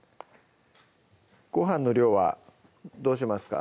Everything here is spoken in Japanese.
ご飯の量はどうしますか？